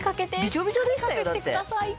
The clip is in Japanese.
びちょびちょでしたよだって。